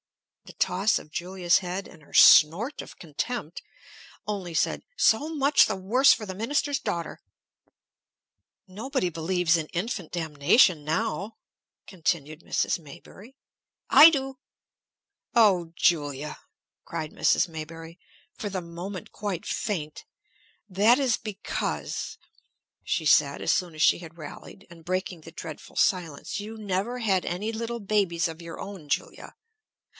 The toss of Julia's head, and her snort of contempt only said, "So much the worse for the minister's daughter!" "Nobody believes in infant damnation now," continued Mrs. Maybury. "I do." "O Julia!" cried Mrs. Maybury, for the moment quite faint, "that is because," she said, as soon as she had rallied, and breaking the dreadful silence, "you never had any little babies of your own, Julia."